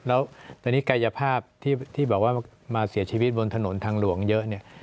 แล้วตอนนี้กายภาพที่บอกว่ามาเสียชีวิตบนถนนทางหลวงเยอะเนี่ย